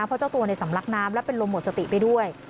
เพราะเจ้าตัวสำลักน้ำและเป็นลมหมดสติไปด้วย